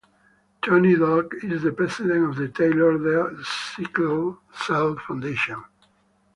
Tony Delk is the president of the Taylor Delk Sickle Cell Foundation.